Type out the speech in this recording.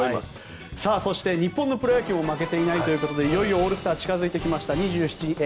そして日本のプロ野球も負けていないということでいよいよオールスターが近づいてきました。